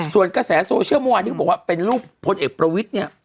ส่วนกระแสโซเชียลเมื่อวานที่เขาบอกว่าเป็นรูปพลเอกประวิทย์เนี่ย